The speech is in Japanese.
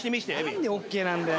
何でＯＫなんだよ